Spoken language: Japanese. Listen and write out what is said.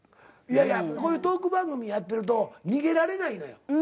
いやいやこういうトーク番組やってると逃げられないのよ。